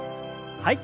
はい。